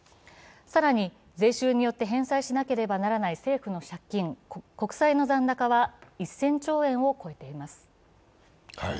更に税収によって返済しなければならない国債の残高は１０００兆円を超えています。